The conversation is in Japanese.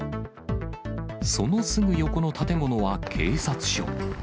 そのすぐ横の建物は警察署。